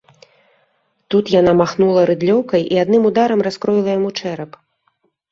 Тут яна махнула рыдлёўкай і адным ударам раскроіла яму чэрап.